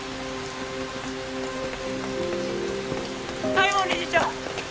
西門理事長！